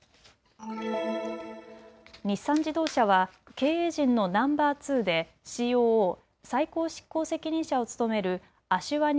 日産自動車は経営陣のナンバー２でＣＯＯ・最高執行責任者を務めるアシュワニ